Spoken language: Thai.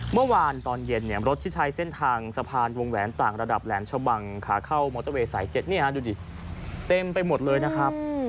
เมื่อวานตอนเย็นรถที่ใช้เส้นทางสะพานวงแหวนต่างระดับแหลมชะบังขาเข้ามอเตอร์เวย์สาย๗ดูดิเต็มไปหมดเลยนะครับ